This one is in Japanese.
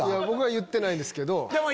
僕は言ってないんですけど。